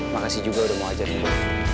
makasih juga udah mau ajarin gue